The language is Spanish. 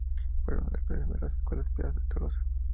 Fue alumno del colegio de las Escuelas Pías de Tolosa.